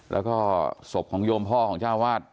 แล้วก็ศพของโยมพ่อของเจ้าวาด